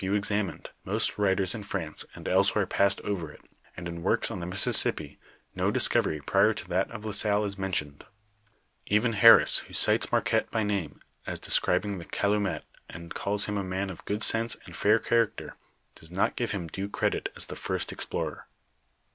w examined, most writers in ■* France and elsewhere passed over it, and in works on the Mississippi, no discovery prior to that of La Salle is men tioned^ , Even Harris, who cites Marquette by name as descri bing the calumet, and calls him a man of good sense and fair character, does not give him due credit as the first explorer.